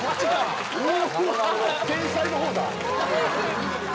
天才の方だ。